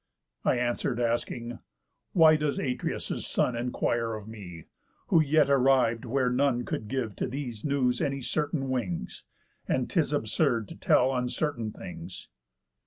I answer'd, asking: 'Why doth Atreus' son Enquire of me, who yet arriv'd where none Could give to these news any certain wings? And 'tis absurd to tell uncertain things.